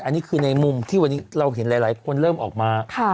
อันนี้คือในมุมที่วันนี้เราเห็นหลายคนเริ่มออกมา